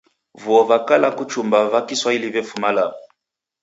Vuo va kala kuchumba va Kiswahili vefuma Lamu